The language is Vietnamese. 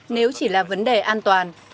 nếu chỉ là vấn đề an toàn